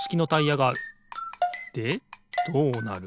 でどうなる？